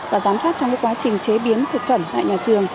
và giám sát trong quá trình chế biến thực phẩm tại nhà trường